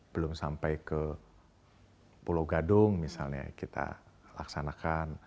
belum sampai ke pulau gadung misalnya kita laksanakan